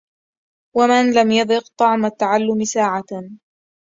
ومن لم يذق طعم التعلم ساعة